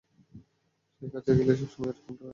সে কাছে গেলেই সবমসময় এরকমটা হয়।